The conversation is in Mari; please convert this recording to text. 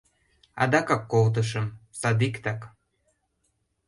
— Адакак колтышым, садиктак...